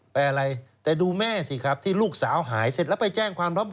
อะไรแต่ดูแม่สิครับที่ลูกสาวหายเสร็จแล้วไปแจ้งความพร้อม